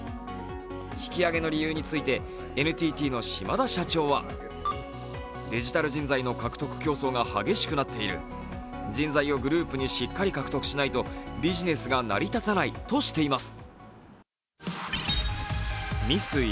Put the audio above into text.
引き上げの理由についてＮＴＴんぽ島田社長はデジタル人材の獲得競争が激しくなっている、人材をグループにしっかり獲得しないとビジネスが成り立たないとしています。